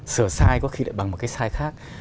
sửa sai có khi lại bằng một cái sai khác